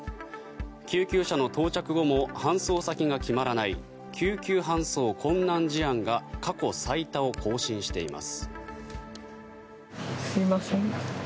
救急車の到着後も搬送先が決まらない救急搬送困難事案が過去最多を更新しています。